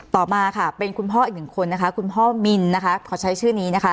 ต่อมาค่ะเป็นคุณพ่ออีกหนึ่งคนนะคะคุณพ่อมินนะคะขอใช้ชื่อนี้นะคะ